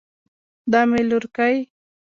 دا مې لورکۍ